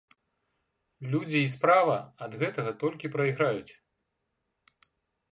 Людзі і справа ад гэтага толькі прайграюць.